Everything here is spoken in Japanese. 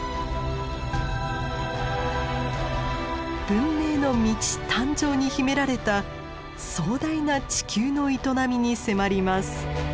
文明の道誕生に秘められた壮大な地球の営みに迫ります。